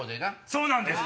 そうなんです